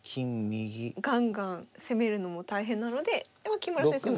ガンガン攻めるのも大変なので木村先生も。